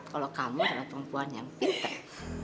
kalau kamu adalah perempuan yang pinter